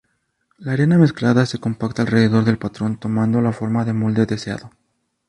La arena mezclada se compacta alrededor del patrón, tomando la forma del molde deseado.